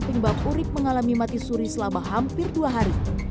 penyebab urib mengalami mati suri selama hampir dua hari